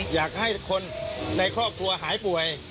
อยากให้คนในครอบครัวหายป่วย